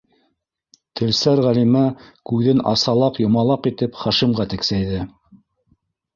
- Телсәр Ғәлимә күҙен асалаҡ-йомалаҡ итеп Хашимға тексәйҙе.